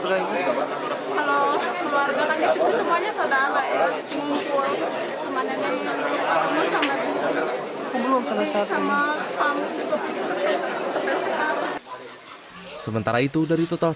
kalau keluarga kan disitu semuanya saudara yang mengumpul sama nenek sama ibu sama pampu sama sepuluh